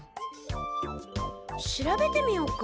調べてみよっか？